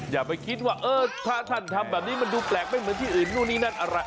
อย่าไปคิดว่าเออถ้าท่านทำแบบนี้มันดูแปลกไม่เหมือนที่อื่นนู่นนี่นั่นอะไร